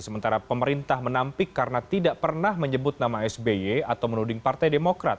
sementara pemerintah menampik karena tidak pernah menyebut nama sby atau menuding partai demokrat